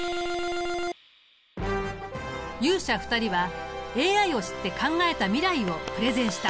勇者２人はＡＩを知って考えた未来をプレゼンした。